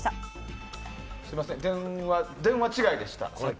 すみません、電話違いでした。